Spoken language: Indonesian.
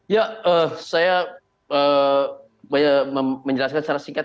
ya saya menjelaskan secara singkat